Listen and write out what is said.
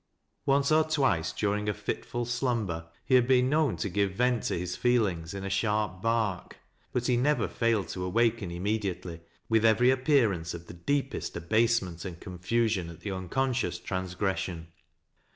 Once or twice, during a fitful slumber, he had been known to give vent to his feelings in a sharp bark, but hf never failed to awaken immediately, with every appear ance of the deepest abasement and confusion at tho aneonscious transgression.